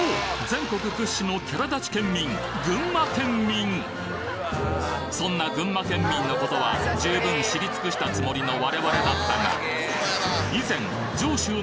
全国屈指のキャラ立ち県民そんな群馬県民のことは十分知り尽くしたつもりの我々だったが以前衝撃発言が！